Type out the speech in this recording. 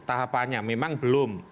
tahapannya memang belum